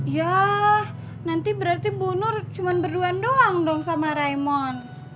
ya nanti berarti bu nur cuma berduaan doang dong sama raimon